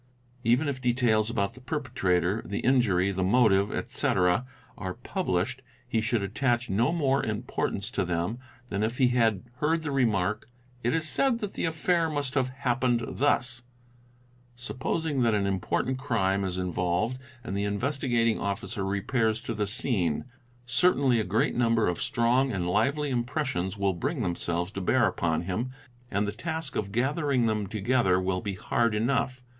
i Even if details about the perpetrator, the injury, the motive, etc., are published, he should attach no more importance to them than if he had heard the remark, "'it is said that the affair must have happened thus'. Supposing that an important crime is involved and the Investigating Officer repairs to the scene, certainly a great number of strong and lively g impressions will bring themselves to bear upon him and the task of _ gathering them together will be hard enough.